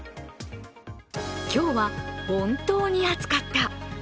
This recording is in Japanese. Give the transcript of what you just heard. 今日は本当に暑かった。